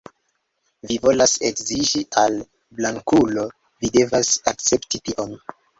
Vi volas edziĝi al blankulo, vi devas akcepti tion.